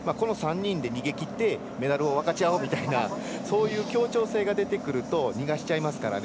逃げきってメダルを分かち合おうみたいな協調性が出てくると逃がしちゃいますからね。